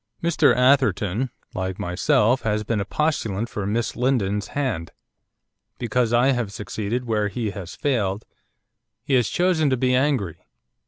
'Mr Atherton, like myself, has been a postulant for Miss Lindon's hand. Because I have succeeded where he has failed, he has chosen to be angry.